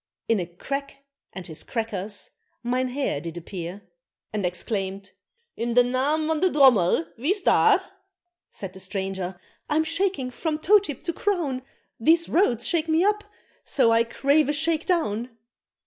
In a crack and his crackers, mynheer did appear, And exclaimed, "In de naam van de drommel, wie's daar?" Said the stranger, "I'm shaking from toe tip to crown, These roads shake me up, so I crave a shake down!